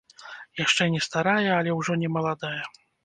Яшчэ не старая, але ўжо не маладая.